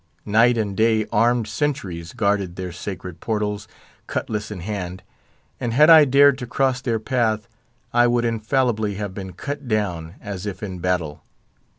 Night and day armed sentries guarded their sacred portals, cutlass in hand; and had I dared to cross their path, I would infallibly have been cut down, as if in battle.